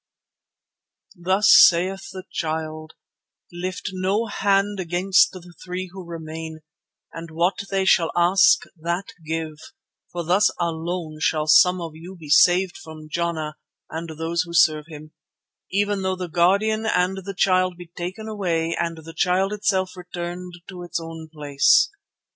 "Thus saith the Child: 'Lift no hand against the three who remain, and what they shall ask, that give, for thus alone shall some of you be saved from Jana and those who serve him, even though the Guardian and the Child be taken away and the Child itself returned to its own place.